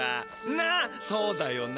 なあそうだよな。